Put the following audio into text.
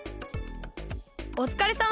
おつかれさま！